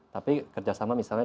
tapi kerjasama misalnya